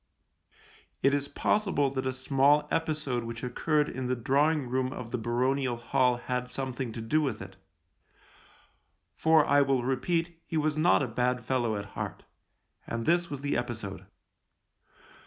It is possible that a small episode which occurred in the drawing room of the baronial hall had something to do with it — for, I will repeat, he was not a bad fellow at heart. And this was the episode.